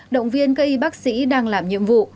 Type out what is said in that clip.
động viên cây bác sĩ đang làm nhiệm vụ